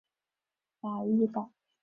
法伊岛。